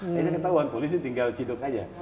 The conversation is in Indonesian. akhirnya ketahuan polisi tinggal ciduk aja